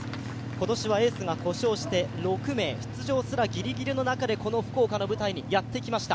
今年はエースが故障して６名、出場すらギリギリの中でこの福岡の舞台にやって来ました。